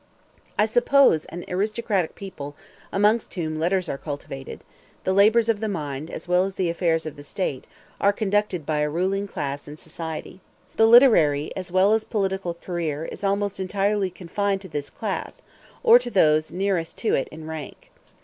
I suppose an aristocratic people amongst whom letters are cultivated; the labors of the mind, as well as the affairs of state, are conducted by a ruling class in society. The literary as well as the political career is almost entirely confined to this class, or to those nearest to it in rank.